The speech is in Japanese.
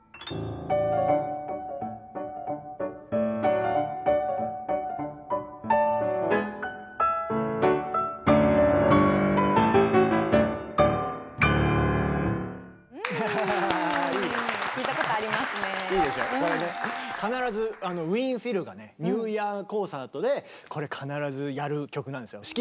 これね必ずウィーン・フィルがねニューイヤーコンサートでこれ必ずやる曲なんですよ。